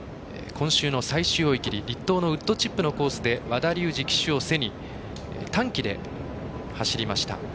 今週の最終追い切り栗東のウッドチップのコースで和田竜二ジョッキーを背に単騎で走りました。